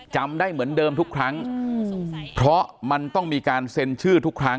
จำได้เหมือนเดิมทุกครั้งเพราะมันต้องมีการเซ็นชื่อทุกครั้ง